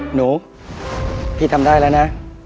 หนูพี่ทำได้แล้วนะ